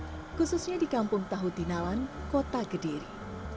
tahu modern khususnya di kampung tahu tinalan kota gediri